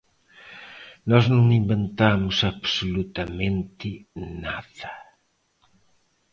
Nós non inventamos absolutamente nada.